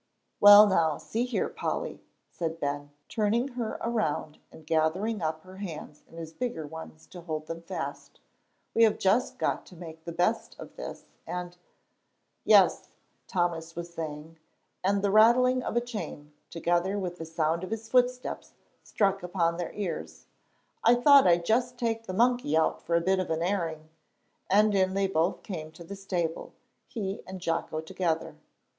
"Well now, see here, Polly," said Ben, turning her around and gathering up her hands in his bigger ones to hold them fast, "we have just got to make the best of this, and " "Yes," Thomas was saying, and the rattling of a chain, together with the sound of his foot steps, struck upon their ears. "I thought I'd just take the monkey out for a bit of an airing;" and in they both came to the stable, he and Jocko together.